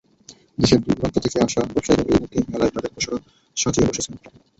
দেশের দূরদূরান্ত থেকে আসা ব্যবসায়ীরা এরই মধ্যে মেলায় তাঁদের পসরা সাজিয়ে বসেছেন।